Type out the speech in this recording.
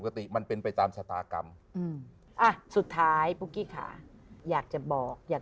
ติมันเป็นไปตามชะตากรรมอืมอ่ะสุดท้ายปุ๊กกี้ค่ะอยากจะบอกอยาก